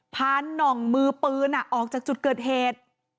พ้านหน่องมือปืนอ่ะออกจากจุดเกิดเหตุ